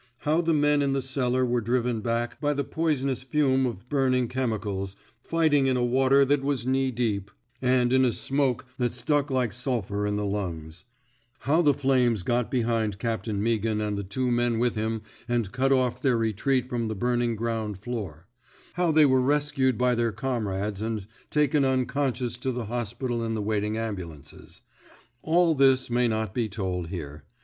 How the men in the cellar were driven back by the poisonous fume of burning chemicals, fighting in a water that was knee deep, and in a smoke 14 THE BED INK SQUAD'' that stuck like sulphur in the lungs; how the flames got behind Captain Meaghan and the two men with him, and cut off their retreat from the burning ground floor; how they were rescued by their comrades and taken unconscious to the hospital in the waiting ambulances, — all this may not be told here.